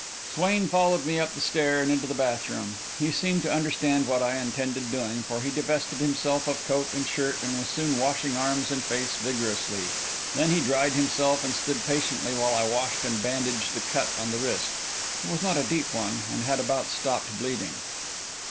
Swain followed me up the stair and into the bath room. He seemed to understand what I intended doing, for he divested himself of coat and shirt and was soon washing arms and face vigorously. Then he dried himself, and stood patiently while I washed and bandaged the cut on the wrist. It was not a deep one, and had about stopped bleeding.